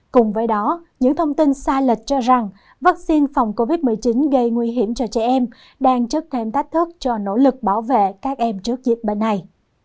cùng với đó những thông tin sai lệch cho rằng vaccine phòng covid một mươi chín gây nguy hiểm cho trẻ em đang trước thêm thách thức cho nỗ lực bảo vệ các em trước dịch bệnh này